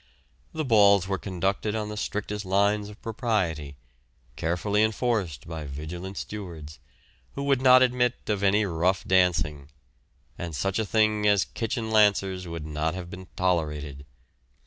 The balls were conducted on the strictest lines of propriety, carefully enforced by vigilant stewards, who would not admit of any rough dancing; and such a thing as kitchen lancers would not have been tolerated.